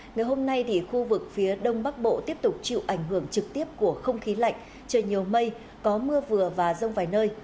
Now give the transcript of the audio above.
ngày hôm nay khu vực phía đông bắc bộ tiếp tục chịu ảnh hưởng trực tiếp của không khí lạnh trời nhiều mây có mưa vừa và rông vài nơi